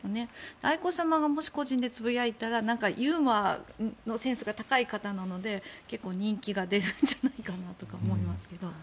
愛子さまがもし個人でつぶやいたらユーモアのセンスが高い方なので結構人気が出るんじゃないかなと思いますけど。